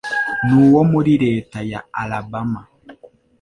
nuwo muri leta ya Alabama